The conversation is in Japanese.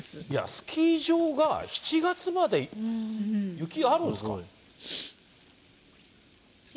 スキー場が７月まで雪あるんですかね？